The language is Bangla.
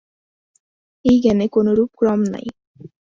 এই জ্ঞানে কোনরূপ ক্রম নাই।